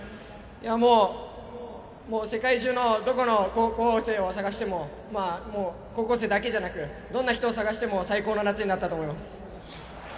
もう世界中のどこの高校生を探しても高校生だけじゃなくどんな人を探しても最高の夏になったと思います。